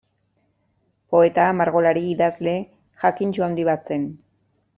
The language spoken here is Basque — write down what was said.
Poeta, margolari, idazle; jakintsu handi bat zen.